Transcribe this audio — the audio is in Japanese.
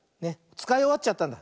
つかいおわっちゃったんだ。